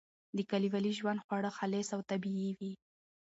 د کلیوالي ژوند خواړه خالص او طبیعي وي.